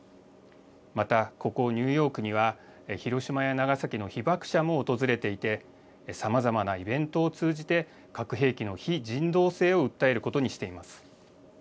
またここ、ニューヨークには広島や長崎の被爆者も訪れていて、さまざまなイベントを通じて、核兵器の非人道性を訴えることにしています。